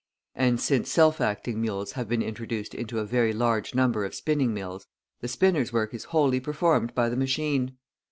And since self acting mules have been introduced into a very large number of spinning mills, the spinners' work is wholly performed by the machine.